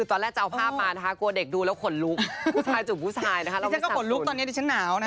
ตอนแรกเอาภาพมาก่อนดูแล้วแล้วทรงดู